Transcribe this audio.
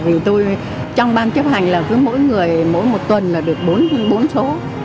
vì tôi trong ban chấp hành là mỗi một tuần được bốn số